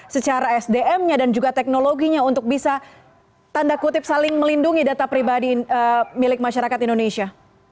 secara sdm nya dan juga teknologinya untuk bisa tanda kutip saling melindungi data pribadi milik masyarakat indonesia